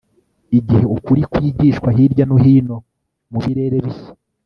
Igihe ukuri kwigishwa hirya no hino mu birere bishya